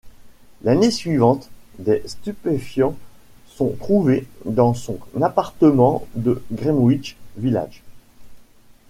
L'année suivante des stupéfiants sont trouvés dans son appartement de Greenwich Village.